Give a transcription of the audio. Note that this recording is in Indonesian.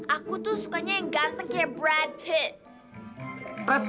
aku tuh sukanya yang ganteng kayak brad pitt